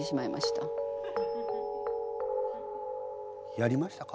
やりましたか？